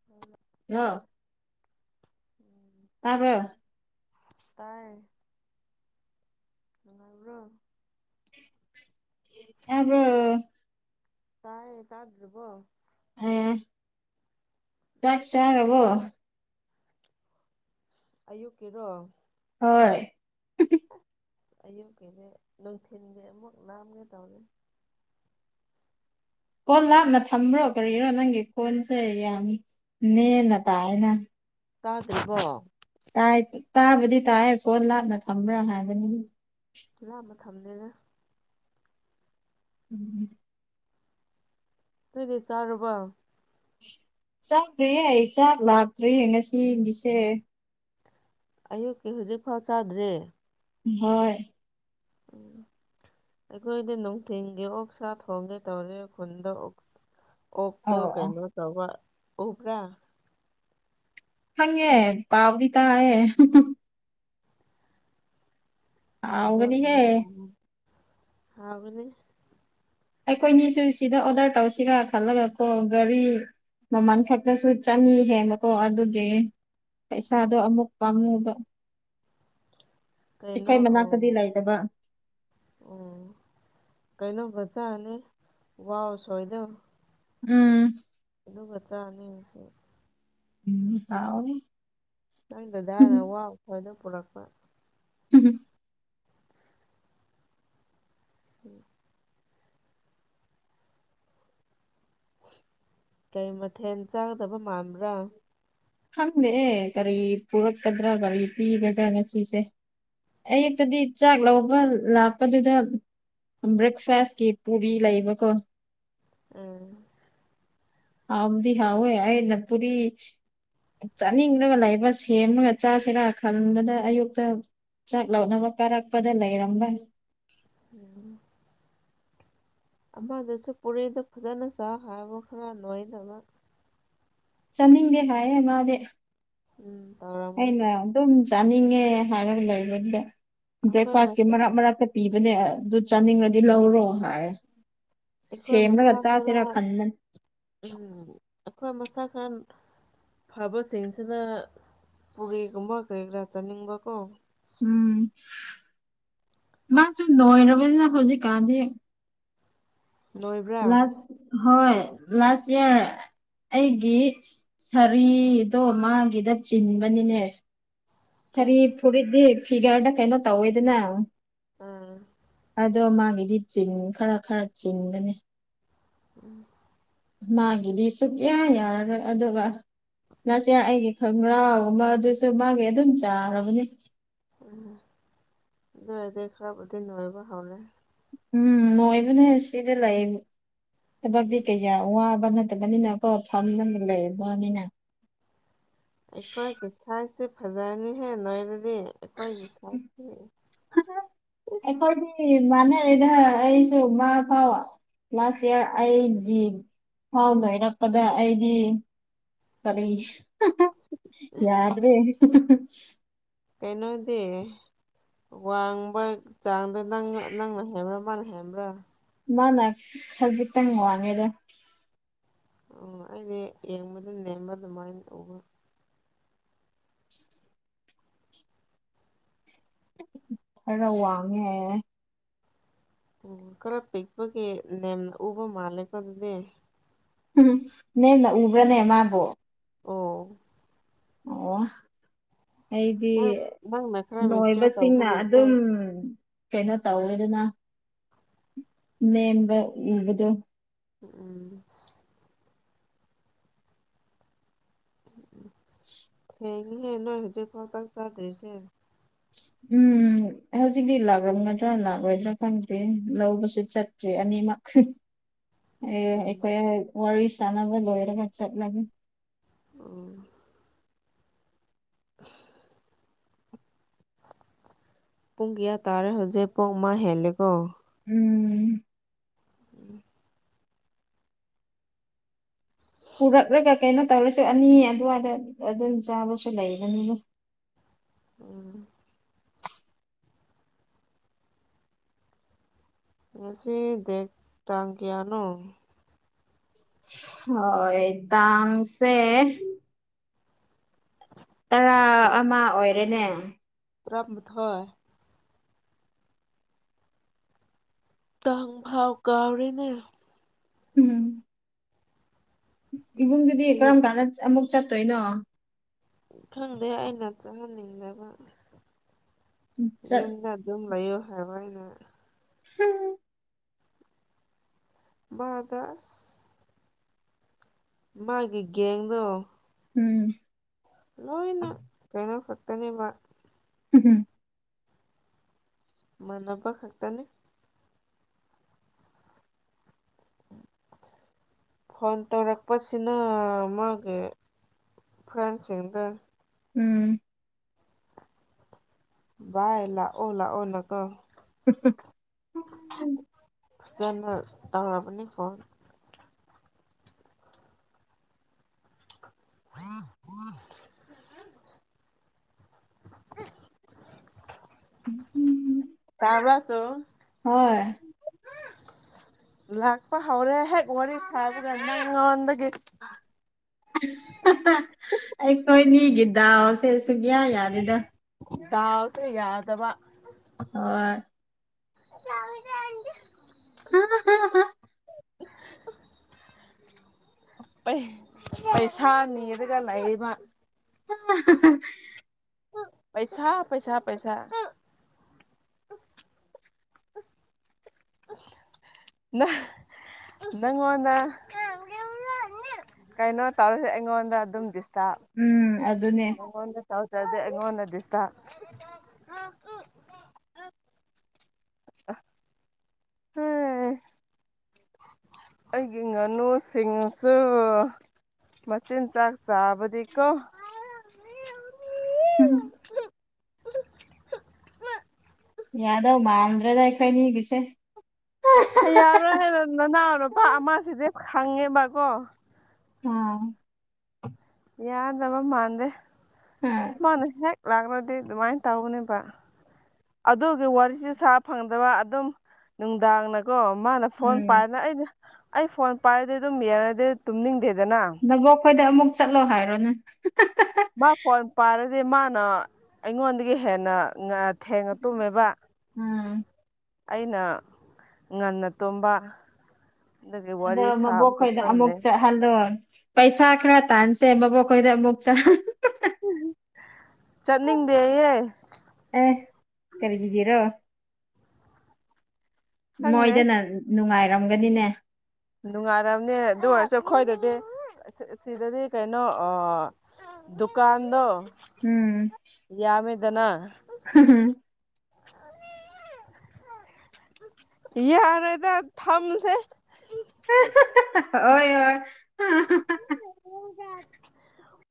[unintelligible] ꯂꯣ ꯎꯝ ꯇꯥꯕ꯭ꯔꯣ ꯇꯥꯏ ꯅꯨꯡꯉꯥꯏꯕ꯭ꯔꯣ ꯇꯥꯕ꯭ꯔꯣ ꯇꯥꯏꯌꯦ ꯇꯥꯗ꯭ꯔꯤꯕꯣ ꯐꯦ ꯆꯥꯛ ꯆꯥꯔꯕꯣ ꯑꯌꯨꯛꯀꯤꯔꯣ ꯍꯣꯏ ꯑꯦ ꯑꯌꯨꯛꯀꯤꯗꯤ ꯅꯨꯡꯊꯤꯜꯒꯤ ꯑꯃꯨꯛ ꯂꯥꯝꯒꯦꯗꯧꯔꯦ ꯀꯣꯜ ꯂꯥꯞꯅ ꯊꯝꯕ꯭ꯔꯣ ꯀꯔꯤꯔꯣ ꯅꯪꯒꯤ ꯐꯣꯟꯁꯦ ꯌꯥꯝ ꯅꯦꯝꯅ ꯇꯥꯌꯦꯅ ꯇꯥꯗ꯭ꯔꯤꯕꯣ ꯇꯥꯏ ꯇꯥꯕꯨꯗꯤ ꯇꯥꯏꯌꯦ ꯀꯣꯜ ꯂꯥꯞꯅ ꯊꯝꯕ꯭ꯔꯥ ꯍꯥꯏꯕꯅꯤ ꯂꯥꯞꯅ ꯊꯝꯗꯦꯗ ꯎꯝ ꯅꯣꯏꯗꯤ ꯆꯥꯔꯕꯣ ꯆꯥꯗ꯭ꯔꯤꯌꯦ ꯆꯥꯛ ꯂꯥꯛꯇ꯭ꯔꯤꯌꯦ ꯉꯁꯤꯒꯤꯁꯦ ꯑꯌꯨꯛꯀꯤ ꯍꯨꯖꯤꯛꯐꯥꯎ ꯆꯥꯗ꯭ꯔꯤ ꯎꯝꯍꯣꯏ ꯎꯝ ꯑꯩꯈꯣꯏꯗꯤ ꯅꯨꯡꯊꯤꯟꯒꯤ ꯑꯣꯛ ꯁꯥꯥ ꯊꯣꯡꯒꯦ ꯇꯧꯔꯦ ꯈꯨꯟꯗꯥ ꯑꯣꯛ ꯑꯣꯛꯇꯣ ꯑꯣ ꯑꯣ ꯀꯩꯅꯣ ꯇꯧꯕ ꯎꯕ꯭ꯔꯥ ꯈꯪꯉꯦ ꯄꯥꯎꯗꯤ ꯇꯥꯏꯌꯦ ꯍꯧꯒꯥꯅꯤꯍꯦ ꯍꯥꯎꯕꯅꯦ ꯑꯩꯈꯣꯏꯅꯤꯁꯨ ꯁꯤꯗ ꯑꯣꯗꯔ ꯇꯧꯁꯤꯔꯥ ꯈꯜꯂꯒꯥ ꯀꯣ ꯒꯥꯔꯤ ꯃꯃꯜ ꯈꯛꯇꯁꯨ ꯆꯥꯅꯤ ꯍꯦꯟꯕꯀꯣ ꯑꯗꯨꯒꯤ ꯄꯩꯁꯥꯗꯣ ꯑꯃꯨꯛ ꯄꯥꯝꯃꯨꯕ ꯀꯩꯅꯣ ꯑꯩꯈꯣꯏ ꯃꯅꯥꯛꯇꯥꯗꯤ ꯂꯩꯇꯕ ꯑꯣ ꯀꯩꯅꯣꯒꯥ ꯆꯥꯔꯅꯤ ꯋꯥ ꯎꯁꯣꯏꯗꯣ ꯎꯝ ꯑꯗꯨꯒꯥ ꯆꯥꯅꯤ ꯉꯁꯤ ꯃꯤꯃꯤ ꯍꯥꯎꯅꯤ ꯅꯪ ꯗꯗꯥꯅ ꯋꯥ ꯎꯁꯣꯏꯗꯣ ꯄꯨꯔꯛꯄ [unintelligible] ꯎꯝ ꯀꯩ ꯃꯊꯦꯜ ꯆꯥꯒꯗꯕ ꯃꯥꯟꯕ꯭ꯔꯥ ꯈꯪꯗꯦꯑꯦ ꯀꯔꯤ ꯄꯨꯔꯛꯀꯗ꯭ꯔꯥ ꯀꯔꯤ ꯄꯤꯒꯗ꯭ꯔꯥ ꯉꯁꯤꯁꯦ ꯑꯌꯨꯛꯇꯥꯗꯤ ꯆꯥꯛ ꯂꯧꯕ ꯂꯥꯛꯄꯗꯨꯗꯥ ꯕ꯭ꯔꯦꯛꯐꯥꯁꯀꯤ ꯄꯨꯔꯤ ꯂꯩꯕꯀꯣ ꯎꯝ ꯍꯥꯎꯗꯤ ꯍꯥꯎꯋꯦ ꯑꯩꯅ ꯄꯨꯨꯔꯤ ꯆꯥꯅꯤꯡꯔꯒꯥ ꯂꯩꯕ ꯁꯦꯝꯔꯒꯥ ꯆꯥꯁꯤꯔꯥ ꯈꯟꯕꯗ ꯑꯌꯨꯛꯇꯥ ꯆꯥꯛ ꯂꯧꯠꯅꯕ ꯀꯥꯔꯛꯄꯗ ꯂꯩꯔꯝꯕ ꯎꯝ ꯑꯃꯗꯨꯁꯨ ꯄꯨꯔꯤꯗꯣ ꯐꯖꯅ ꯆꯥꯎ ꯍꯥꯏꯕ ꯈꯔ ꯂꯣꯏꯅꯃꯛ ꯆꯥꯅꯤꯡꯗꯦ ꯍꯥꯏꯌꯦ ꯃꯥꯗꯤ ꯎꯝ ꯇꯧꯔꯝꯒꯅꯤ ꯑꯩꯅ ꯑꯗꯨꯝ ꯆꯥꯅꯤꯡꯉꯦ ꯍꯥꯏꯔꯒ ꯂꯩꯕꯗꯨꯗ ꯑꯩꯈꯣꯏ ꯕ꯭ꯔꯦꯛꯐꯥꯁꯀꯤ ꯃꯔꯛ ꯃꯔꯛꯇ ꯄꯤꯕꯅꯦ ꯑꯗꯨ ꯆꯥꯅꯤꯡꯔꯗꯤ ꯂꯧꯔꯣ ꯍꯥꯏ꯫ ꯑꯩꯈꯣꯏ ꯁꯦꯝꯔꯒ ꯃꯁꯥ ꯈꯔ ꯆꯥꯁꯤꯔ ꯈꯟꯕꯅꯤ꯫ ꯎꯝ ꯑꯩꯈꯣꯏ ꯃꯁꯥ ꯈꯟ ꯐꯕꯁꯤꯡꯁꯤꯅ ꯄꯨꯔꯤꯒꯨꯝꯕ ꯀꯔꯤ ꯀꯔꯥ ꯆꯥꯅꯤꯡꯕꯀꯣ ꯎꯝ ꯃꯥꯁꯨ ꯅꯣꯏꯔꯕꯅꯤꯅ ꯍꯧꯖꯤꯛ ꯀꯥꯟꯗꯤ ꯅꯣꯏꯕ꯭ꯔꯥ ꯂꯥꯁ ꯍꯣꯏ ꯂꯥꯁ ꯏꯌꯥꯔ ꯑꯩꯒꯤ ꯁꯥꯔꯤꯗꯣ ꯃꯥꯒꯤꯗ ꯆꯤꯟꯕꯅꯤꯅꯦ꯫ ꯁꯔꯤ ꯑꯁ ꯐꯨꯔꯤꯠꯇꯤ ꯐꯤꯒꯔꯗ ꯀꯩꯅꯣ ꯇꯧꯋꯦꯗꯅ ꯎꯝ ꯑꯗꯣ ꯃꯥꯒꯤꯗꯤ ꯆꯤꯟ ꯈꯔ ꯈꯔ ꯆꯤꯟꯕꯅꯤ꯫ [unintelligible] ꯃꯥꯒꯤꯗꯤ ꯁꯨꯛꯌꯥ ꯌꯥꯔꯔꯣꯏ ꯑꯗꯨꯒ ꯂꯥꯁ ꯏꯌꯔ ꯑꯩꯒꯤ ꯈꯪꯒ꯭ꯔꯥꯎꯒꯨꯝꯕ ꯑꯗꯨꯁꯨ ꯃꯥꯒꯤ ꯑꯗꯨꯝ ꯆꯥꯔꯕꯅꯤ꯫ ꯎꯝ ꯑꯗꯨ ꯑꯣꯢꯗꯤ ꯈꯔꯕꯨꯗꯤ ꯅꯣꯏꯕ ꯍꯧꯔꯦ꯫ ꯎꯝ ꯅꯣꯏꯕꯅꯦ ꯁꯤꯗ ꯂꯩ ꯊꯕꯛꯇꯤ ꯀꯩꯌꯥ ꯋꯥꯕ ꯅꯠ ꯇꯕꯅꯤꯀꯣ ꯐꯝꯖꯜꯂ [unintelligible] ꯑꯩꯈꯣꯏꯒꯤ ꯁꯥꯏꯁꯇꯤ ꯐꯖꯔꯅꯤꯍꯦ ꯅꯣꯏꯔꯗꯤ ꯑꯩꯈꯣꯏꯒꯤ ꯁꯥꯏꯁꯇꯤ [inaudible] ꯑꯩꯈꯣꯏꯗꯤ ꯃꯥꯟꯅꯔꯦꯗ ꯑꯩꯁꯨ ꯃꯥ ꯐꯥꯎ ꯂꯥꯁ ꯏꯌꯥꯔ ꯑꯩꯗꯤ [unintelligible] ꯂꯣꯏꯔꯛꯄꯗ ꯑꯩꯗꯤ ꯀꯔꯤ ꯌꯥꯗ꯭ꯔꯦ ꯀꯩꯅꯣꯗꯤ ꯋꯥꯡꯕ ꯆꯥꯡꯗ ꯅꯪ ꯅꯪꯅ ꯍꯦꯟꯕ꯭ꯔꯥ ꯃꯥꯅ ꯍꯦꯟꯕ꯭ꯔꯥ? ꯃꯥꯅ ꯈꯖꯤꯛꯇꯪ ꯋꯥꯡꯉꯦꯗ꯫ ꯑꯣ ꯑꯩꯗꯤ ꯌꯦꯡꯕꯗ ꯅꯦꯝꯕ ꯑꯗꯨꯃꯥꯏꯅ ꯇꯧꯕ꯫ ꯈꯔ ꯋꯥꯡꯉꯦ ꯎꯝ ꯈꯔ ꯄꯤꯛꯄꯒꯤ ꯅꯦꯝꯅ ꯎꯕ ꯃꯥꯜꯂꯦꯀꯣ ꯑꯗꯨꯗꯤ꯫ ꯎꯝ ꯅꯦꯝꯅ ꯎꯕ꯭ꯔꯅꯦ ꯃꯥꯕꯨ? ꯑꯣ ꯑꯣ ꯑꯩꯗꯤ ꯅꯪ ꯅꯪꯅ ꯈꯔ ꯃꯤꯛꯆꯔ ꯅꯣꯏꯕꯁꯤꯡꯅ ꯇꯧꯕꯒꯤꯀꯣ ꯑꯗꯨꯝ ꯀꯩꯅꯣ ꯇꯧꯋꯤꯗꯅ ꯅꯦꯝꯕ ꯎꯕꯗꯣ ꯎꯝ [unintelligible] ꯊꯦꯡꯉꯤꯍꯦ ꯅꯣꯏ ꯍꯨꯖꯤꯛ ꯐꯥꯎ ꯆꯥꯛꯆꯥꯗ꯭ꯔꯤꯁꯦ ꯎꯝ ꯍꯧꯖꯤꯛꯇꯤ ꯂꯥꯛꯂꯝꯒꯗ꯭ꯔꯥ ꯂꯥꯛꯂꯣꯏꯗ꯭ꯔꯥ ꯈꯪꯗꯦ ꯂꯧꯕꯁꯨ ꯆꯠ ꯇ꯭ꯔꯦ ꯑꯅꯤꯃꯛ [inaudible] ꯑꯦ ꯎꯝ ꯑꯩꯈꯣꯏ ꯋꯥꯔꯤ ꯏꯁꯟꯅꯕ ꯂꯣꯏꯔꯒ ꯆꯠꯂꯅꯤ꯫ ꯎꯝ [unintelligible] ꯄꯨꯡ ꯀꯌꯥ ꯇꯥꯔꯦ ꯍꯧꯖꯤꯛ ꯄꯨꯡ ꯑꯃ ꯍꯦꯜꯂꯦꯀꯣ ꯎꯝ [inaudible] ꯄꯨꯔꯛꯂꯒ ꯀꯩꯅꯣ ꯇꯧꯔꯁꯦ ꯑꯅꯤ ꯑꯗꯨꯋꯥꯏꯗ ꯑꯗꯨꯝ ꯆꯥꯕꯁꯨ ꯂꯩꯕꯅꯤꯅ [inaudible] ꯉꯁꯤ ꯗꯦꯠ ꯇꯥꯡ ꯀꯌꯥꯅꯣ [unintelligible] ꯇꯥꯡꯁꯦ ꯇꯔꯥ ꯑꯃ ꯑꯣꯏꯔꯦꯅꯦ ꯇꯔꯥꯃꯊꯣꯏ ꯇꯥꯡꯐꯥꯎ ꯀꯥꯎꯔꯦꯅꯦ ꯎꯝ ꯏꯕꯨꯡꯗꯨꯗꯤ ꯀꯔꯝ ꯀꯥꯟꯗ ꯑꯃꯨꯛ ꯆꯠꯇꯣꯏꯅꯣ ꯈꯪꯗꯦ ꯑꯩꯅ ꯆꯡꯍꯟꯅꯤꯡꯗꯕ ꯆꯠ ꯌꯨꯝꯗ ꯗꯨꯝ ꯂꯩꯌꯣ ꯍꯥꯏꯕ ꯑꯩꯅ ꯍꯨꯝ [unintelligible] ꯃꯥꯒꯤ ꯒꯦꯡꯗꯣ ꯎꯝ ꯂꯣꯏꯅ ꯀꯩꯅꯣ ꯈꯛꯇꯅꯦꯕ ꯍꯝꯎꯝ ꯃꯥꯅꯕ ꯈꯛꯇꯅꯦ ꯐꯣꯟ ꯇꯧꯔꯛꯄꯁꯤꯅꯥ ꯃꯥꯒ ꯐ꯭ꯔꯦꯟꯁꯤꯡꯗꯣ ꯎꯝ ꯚꯥꯏ ꯂꯥꯛꯑꯣ ꯂꯥꯛꯑꯣꯅꯀꯣ [unintelligible] ꯐꯖꯅ ꯇꯧꯔꯕꯅꯤ ꯐꯣꯟ [unintelligible] [unintelligible] ꯇꯥꯕ꯭ꯔꯥ ꯆꯣ ꯍꯣꯏ ꯂꯥꯛꯄ ꯍꯧꯔꯦ ꯍꯦꯛ ꯋꯥꯔꯤ ꯁꯥꯕꯒ ꯅꯪꯉꯣꯟꯗꯒꯤ [unintelligible] ꯑꯩꯈꯣꯏꯅꯤꯒꯤ ꯗꯥꯎꯁꯦ ꯁꯨꯛꯌꯥ ꯌꯥꯗꯦꯗ ꯗꯥꯎꯁꯨ ꯌꯥꯗꯕ ꯍꯣꯏ [unintelligible] ꯍꯥ ꯍꯥ ꯍꯥ [inaudible] ꯄꯩ ꯄꯩꯁꯥ ꯅꯤꯔꯒ ꯂꯩꯔꯤꯕ [unintelligible] ꯄꯩꯁꯥ ꯄꯩꯁꯥ ꯄꯩꯁꯥ ꯅꯥ ꯅꯪꯉꯣꯟꯗ [unintelligible] ꯀꯩꯅꯣ ꯇꯧꯔꯁꯦ ꯑꯩꯉꯣꯟꯗ ꯑꯗꯨꯝ ꯗꯤꯁꯇꯥꯔꯕ ꯎꯝ ꯑꯗꯨꯅꯦ ꯃꯉꯣꯟꯗ ꯇꯧꯗ꯭ꯔꯗꯤ ꯑꯩꯉꯣꯟꯗ ꯗꯤꯁꯇ ꯑꯥ ꯍꯥꯏ ꯑꯩꯒꯤ ꯉꯥꯅꯨꯁꯤꯡꯁꯨ ꯃꯆꯤꯟꯖꯥꯛ ꯆꯥꯕꯗꯤ ꯀꯣ ꯎꯝ ꯌꯥꯗꯧ ꯃꯥꯟꯗ꯭ꯔꯦꯗ ꯑꯈꯣꯏꯅꯤꯒꯤꯁꯦ [unintelligible] ꯌꯥꯔꯣꯏ ꯍꯥꯏꯕ ꯅꯅꯥꯎ ꯅꯨꯄꯥ ꯑꯃꯥꯁꯤꯗꯤ ꯈꯪꯉꯦꯕꯀꯣ ꯎꯝ ꯌꯥꯗꯕ ꯃꯥꯟꯗꯦ ꯎꯝ ꯃꯅ ꯍꯦꯛ ꯂꯥꯛꯔꯗꯤ ꯑꯗꯨꯃꯥꯏꯟ ꯇꯧꯕꯅꯦꯕ ꯑꯗꯨꯒꯤ ꯋꯥꯔꯤꯁꯨ ꯁꯥ ꯐꯪꯗꯕ ꯑꯗꯨꯝ ꯅꯨꯡꯗꯥꯡꯅ ꯀꯣ ꯃꯥꯅ ꯐꯣꯟ ꯎꯝ ꯄꯥꯏꯅ ꯑꯩꯗꯤ ꯑꯩ ꯐꯣꯟ ꯄꯥꯏꯔꯗꯤ ꯑꯗꯨꯝ ꯌꯦꯡꯔꯗꯤ ꯇꯨꯝꯅꯤꯡꯗꯦꯗꯅ ꯅꯕꯣꯛ ꯈꯣꯏꯗ ꯑꯃꯨꯛ ꯆꯠꯂꯣ ꯍꯥꯏꯔꯣꯅꯦ ꯍꯥꯍꯥ ꯃꯥ ꯐꯣꯟ ꯄꯥꯔꯗꯤ ꯃꯥꯅ ꯑꯩꯉꯣꯟꯗꯒꯤ ꯍꯦꯟꯅ ꯉꯥ ꯊꯦꯡꯅ ꯇꯨꯝꯃꯦꯕ ꯎꯝ ꯑꯩꯅ ꯉꯟꯅ ꯇꯨꯝꯕ ꯑꯗꯨꯒꯤ ꯋꯥꯔꯤ ꯁꯥꯕꯖꯨ ꯐꯪꯗꯦ ꯈꯜꯂꯣ ꯄꯩꯁꯥ ꯈꯔ ꯇꯥꯟꯁꯦ ꯕꯕꯣꯛ ꯈꯣꯏꯗ ꯑꯃꯨꯛ ꯆꯠ [unintelligible] ꯆꯠꯅꯤꯡꯗꯦꯌꯦ ꯑꯦ ꯀꯔꯤꯒꯤꯔꯣ ꯈꯪꯗꯦ ꯃꯣꯏꯗꯅ ꯅꯨꯡꯉꯥꯏꯔꯝꯒꯅꯤꯅꯦ ꯅꯨꯡꯉꯥꯏꯔꯝꯅꯤ ꯑꯗꯨ ꯑꯣꯏꯔꯁꯨ ꯈꯣꯏꯗꯗꯤ ꯁꯤꯗꯗꯤ ꯀꯩꯅꯣ ꯑꯥ ꯗꯨꯀꯥꯟꯗꯣ ꯎꯝ ꯌꯥꯝꯃꯦꯗꯅ ꯍꯨꯝ ꯍꯨꯝ ꯌꯥꯔꯣꯏꯗ ꯊꯝꯖꯦ ꯍꯥ ꯍꯥ ꯍꯥ ꯍꯥ ꯍꯣꯏ ꯍꯣꯏ [unintelligible]